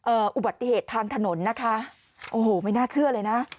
อุบัติเหตุทางถนนนะคะโอ้โหไม่น่าเชื่อเลยนะ